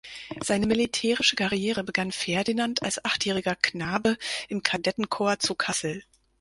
Seine militärische Karriere begann Ferdinand als achtjähriger Knabe im Kadettenkorps zu Kassel.